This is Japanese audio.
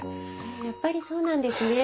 やっぱりそうなんですね。